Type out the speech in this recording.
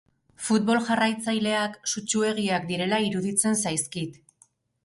Futbol jarraitzaileak sutsuegiak direla iruditzen zaizkit.